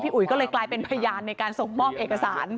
อุ๋ยก็เลยกลายเป็นพยานในการส่งมอบเอกสาร